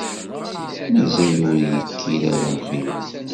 Mazal ur d-yekkir ara Mexluf.